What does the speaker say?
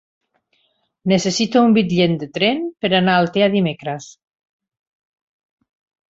Necessito un bitllet de tren per anar a Altea dimecres.